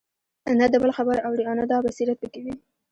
نه د بل خبره اوري او نه دا بصيرت په كي وي